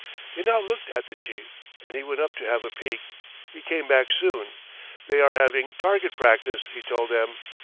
They now looked at the chief, and he went up to have a peek. He came back soon. "They are having target practice," he told them.